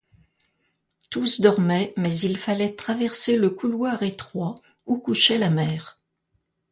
Tous dormaient, mais il fallait traverser le couloir étroit, où couchait la mère.